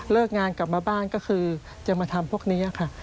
งานกลับมาบ้านก็คือจะมาทำพวกนี้ค่ะ